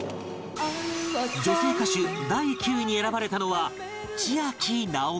女性歌手第９位に選ばれたのはちあきなおみ